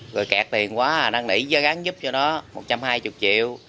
rồi kẹt tiền quá năng lĩ cho gắn giúp cho nó một trăm hai mươi triệu